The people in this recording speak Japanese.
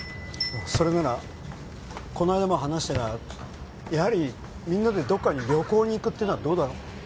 それならこないだも話したがやはりみんなでどっかに旅行に行くってのはどうだろう